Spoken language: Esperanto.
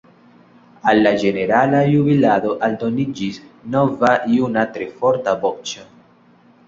Al la ĝenerala jubilado aldoniĝis nova juna tre forta voĉo.